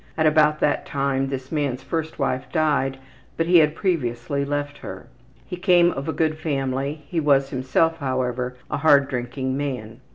At about that time this man's first wife died, but he had previously left her. He came of a good family, he was himself, however, a hard drinking man.